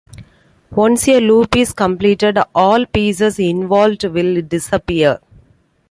Once a loop is completed, all pieces involved will disappear.